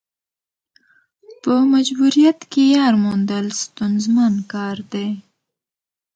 په مجبوریت کې یار موندل ستونزمن کار دی.